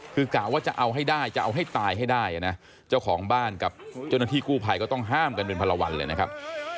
คือกะว่าจะเอาให้ได้จะเอาให้ตายให้ได้นะเจ้าของบ้านกับเจ้าหน้าที่กู้ภัยก็ต้องห้ามกันเป็นพันละวันเลยนะครับ